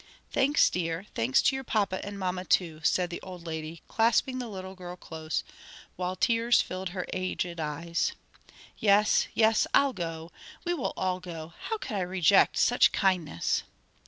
"Thanks, dear, thanks to your papa and mamma too," said the old lady, clasping the little girl close, while tears filled her aged eyes, "yes, yes, I'll go; we will all go; how could I reject such kindness!"